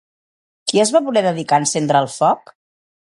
Qui es va voler dedicar a encendre el foc?